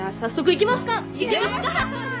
いきますか！